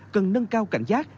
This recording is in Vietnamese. cần nâng cao cảnh giác